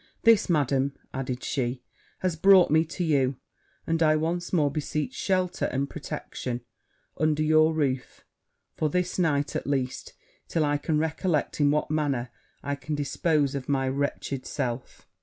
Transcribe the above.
'This, Madam,' added she, 'has brought me to you; and I once more beseech shelter and protection under your roof for this night at least, till I can recollect in what manner I can dispose of my wretched self.'